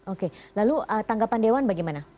oke lalu tanggapan dewan bagaimana